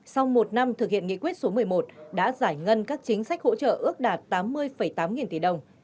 sau một năm thực hiện nghị quyết số một mươi một đã giải ngân các chính sách hỗ trợ ước đạt tám mươi tám nghìn tỷ đồng